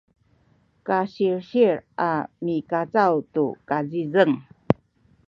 kasilsil a mikacaw tu kazizeng